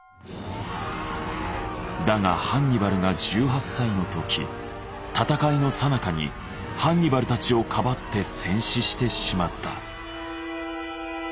だがハンニバルが１８歳の時戦いのさなかにハンニバルたちをかばって戦死してしまった。